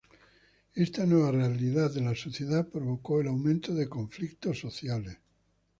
Esta nueva realidad de la sociedad provocó el aumento de conflictos sociales.